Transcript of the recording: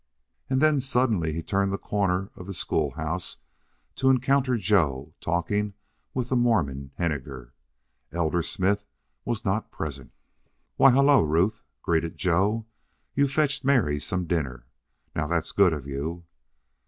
And then suddenly he turned the corner of school house to encounter Joe talking with the Mormon Henninger. Elder Smith was not present. "Why, hello, Ruth!" greeted Joe. "You've fetched Mary some dinner. Now that's good of you."